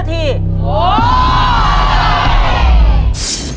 นี่ลูก